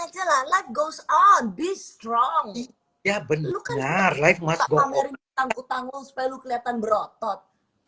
terus on be strong ya bener bener live mati ngomong tangguh tangguh supaya lu kelihatan berotot